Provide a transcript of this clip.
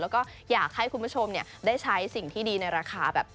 แล้วก็อยากให้คุณผู้ชมได้ใช้สิ่งที่ดีในราคาแบบ